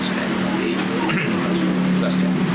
saya bergurau dengan tugasnya